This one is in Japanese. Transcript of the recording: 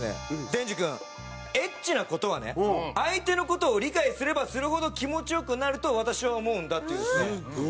「デンジ君エッチな事はね相手の事を理解すればするほど気持ち良くなると私は思うんだ」って言うんですね。